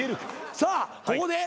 さあここで。